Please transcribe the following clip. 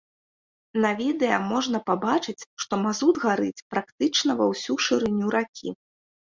На відэа можна пабачыць, што мазут гарыць практычна ва ўсю шырыню ракі.